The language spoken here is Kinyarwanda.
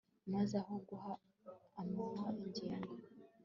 maze aho guha umwanya ingingo